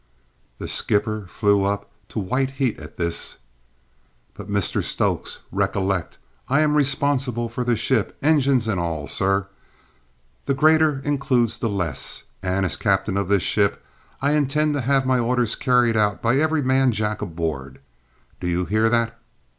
The skipper flew up to white heat at this. "But, Mr Stokes, recollect I am responsible for the ship, engines and all, sir. The greater includes the less, and, as captain of this ship, I intend to have my orders carried out by every man jack on board. Do you hear that?"